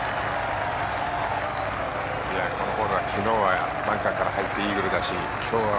このホールは昨日はバンカーから入ってイーグルだし、今日は。